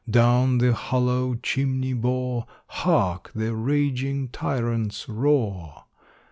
Down the hollow chimney bore, Hark the raging tyrant's roar!